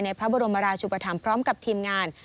พระบรมราชุปธรรมพร้อมกับทีมงาน